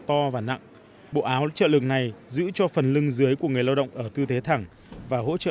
to và nặng bộ áo trợ lưng này giữ cho phần lưng dưới của người lao động ở tư thế thẳng và hỗ trợ